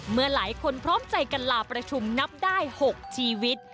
เมื่อหลายคนพร้อมใจกันลาประชุมนับได้๖ชีวิต